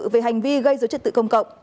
về hành vi gây dấu chất tự công cộng